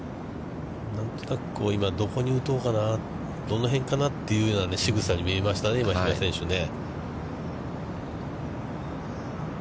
何とか、今どこに打とうかな、どの辺かなというようなしぐさに見えましたね、比嘉選手ね。